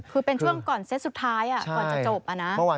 คือเป็นช่วงก่อนเซตสุดท้ายก่อนจะจบนะ